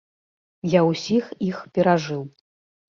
Я усіх іх перажыў.